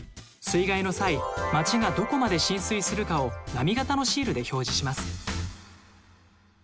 水害の際街がどこまで浸水するかを波形のシールで表示します。